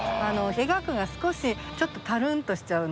「描く」が少しちょっとたるんとしちゃうのかしら。